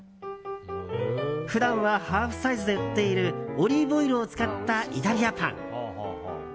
普段はハーフサイズで売っているオリーブオイルを使ったイタリアパン。